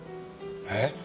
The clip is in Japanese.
えっ？